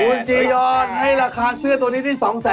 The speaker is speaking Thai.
คุณจียอนให้ราคาเสื้อตัวนี้ที่๒๐๐๐